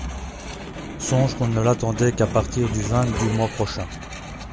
Songe qu’on ne l’attendait qu’à partir du vingt du mois prochain !